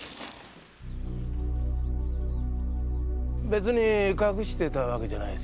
別に隠してたわけじゃないですよ。